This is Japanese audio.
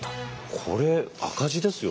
これ赤字ですよ。